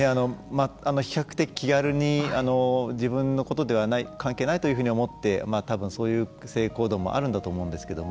比較的気軽に自分のことではない関係ないと思って多分そういう性行動もあるんだと思うんですけれども。